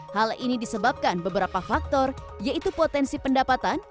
hal ini disebabkan beberapa faktor yaitu potensi pendapatan